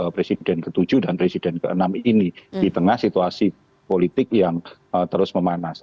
presiden ke tujuh dan presiden ke enam ini di tengah situasi politik yang terus memanas